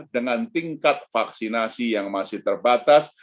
dengan tingkat vaksinasi yang masih terbatas